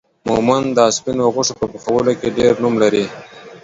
مومند دا سپينو غوښو په پخولو کې ډير نوم لري